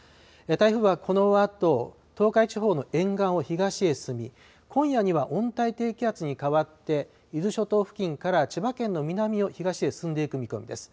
台風はこのあと東海地方の沿岸を東へ進み今夜には温帯低気圧に変わって伊豆諸島付近から千葉県の南を東へ進んでいく見込みです。